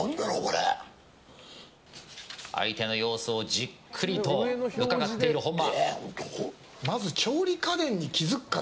相手の様子をじっくりとうかがっている本間。